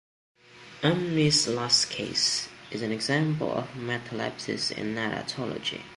"Umney's Last Case" is an example of metalepsis in narratology.